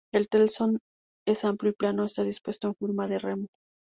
El telson es amplio y plano, y está dispuesto en forma de remo.